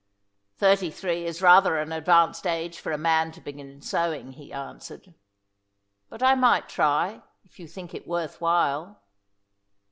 "Thirty three is rather an advanced age for a man to begin sowing," he answered. "But I might try, if you think it worth while."